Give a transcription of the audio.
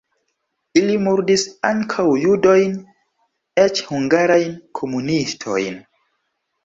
Ili murdis ankaŭ judojn, eĉ hungarajn komunistojn.